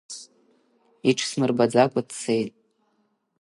Иҽсмырбаӡакәа дцеит.